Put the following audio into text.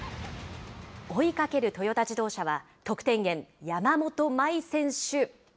追いかけるトヨタ自動車は、得点源、山本麻衣選手。